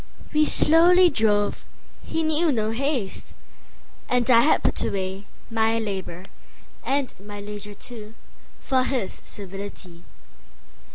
We slowly drove, he knew no haste, And I had put awayMy labour, and my leisure too, For his civility.